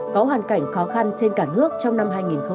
có hoàn cảnh khó khăn trên cả nước trong năm hai nghìn hai mươi ba